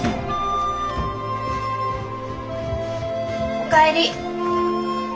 お帰り。